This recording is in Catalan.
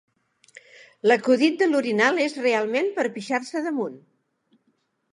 L'acudit de l'orinal és realment per a pixar-se damunt!